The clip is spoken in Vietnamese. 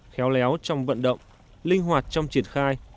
khéo léo trong vận động linh hoạt trong triển khai